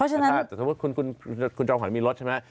หรือถ้าบอกคุณคนจะจังหวัดมีรถใช่ไหม